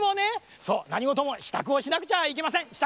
なにごともしたくをしなくちゃあいけません。